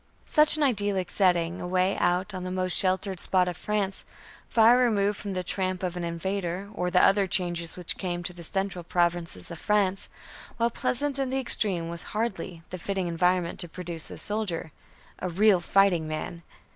Such an idyllic setting, away out on the most sheltered spot of France far removed from the tramp of an invader, or the other changes which came to the central provinces of France while pleasant in the extreme was hardly the fitting environment to produce a soldier, a real fighting man.